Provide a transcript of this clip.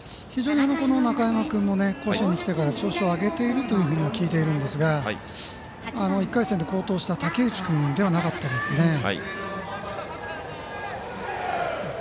非常に中山君甲子園に来てから調子を上げているというふうには聞いているんですが１回戦で好投した武内君ではなかったですね。